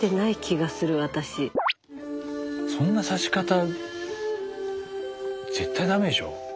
そんなさし方絶対ダメでしょ。